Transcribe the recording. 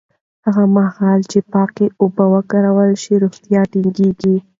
هغه مهال چې پاکې اوبه وکارول شي، روغتیا ټینګېږي.